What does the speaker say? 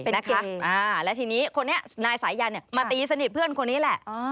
เป็นเกย์และทีนี้คนนี้นายสายันมาตีสนิทเพื่อนคนนี้แหละ